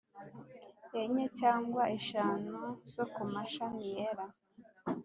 enye cyangwa eshanu zo ku mashami yera.